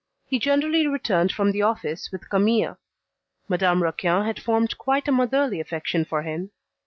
He generally returned from the office with Camille. Madame Raquin had formed quite a motherly affection for him.